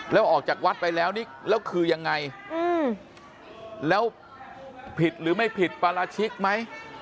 แล้วออกจากวัดไปแล้วนี่แล้วคือยังไงแล้วผิดหรือไม่ผิดปราชิกไหม